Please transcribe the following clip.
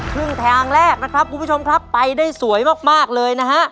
ครึ่งทางแรกนะครับคุณผู้ชมครับไปได้สวยมากเลยนะฮะ